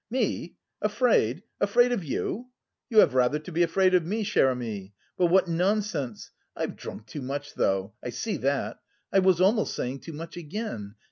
"Me afraid? Afraid of you? You have rather to be afraid of me, cher ami. But what nonsense.... I've drunk too much though, I see that. I was almost saying too much again.